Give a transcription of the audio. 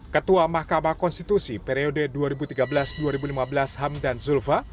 ketua mahkamah konstitusi periode dua ribu tiga belas dua ribu lima belas hamdan zulfa